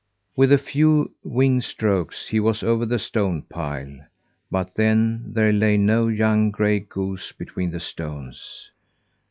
With a few wing strokes he was over the stone pile; but then, there lay no young gray goose between the stones.